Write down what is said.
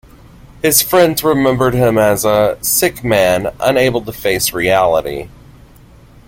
His friends remembered him as " a sick man, unable to face reality".